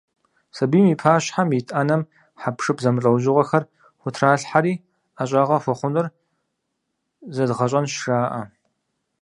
Сабийм и пащхьэм ит Ӏэнэм хьэпшып зэмылӀэужьыгъуэхэр хутралъхьэри, «ӀэщӀагъэ хуэхъунур зэдгъэщӀэнщ» жаӀэ.